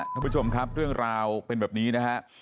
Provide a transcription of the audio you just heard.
ท่านผู้ชมครับเรื่องราวเป็นแบบนี้นะฮะ